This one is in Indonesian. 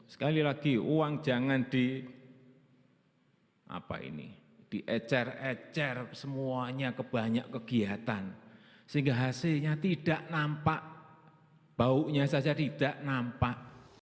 sekali lagi uang jangan diecer ecer semuanya ke banyak kegiatan sehingga hasilnya tidak nampak baunya saja tidak nampak